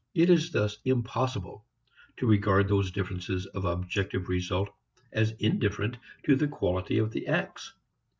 It is impossible to regard these differences of objective result as indifferent to the quality of the acts.